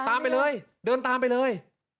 ตามไปเลยเดินตามไปเลย